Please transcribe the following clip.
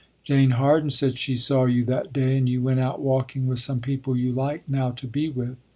Jane Harden said she saw you that day and you went out walking with some people you like now to be with.